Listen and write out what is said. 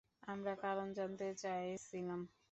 আমরা কারণ জানতে চায়ছিলাম।